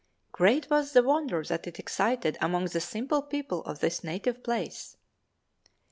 Great was the wonder that it excited among the simple people of his native place.